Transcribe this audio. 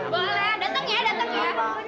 boleh dateng ya dateng ya